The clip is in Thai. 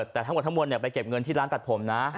แต่ทั้งหมดทั้งมวลไปเก็บเงินที่ร้านตัดผมนะ